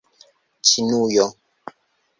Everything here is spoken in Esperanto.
Ĉinujo